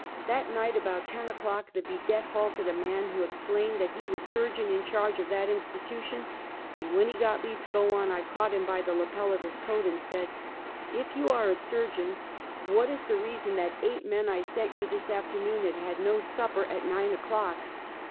That night about ten o'clock the vidette halted a man, who explained that he was surgeon in charge of that institution, and when he got leave to go on, I caught him by the lapel of his coat, and said: " If you are Surgeon — what is the reason that the eight men I sent you this afternoon had had no sup per at nine o'clock?"